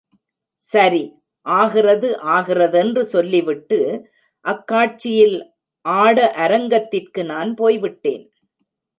சரி, ஆகிறது ஆகிறதென்று சொல்லி விட்டு, அக்காட்சியில் ஆட அரங்கத்திற்கு நான் போய்விட்டேன்.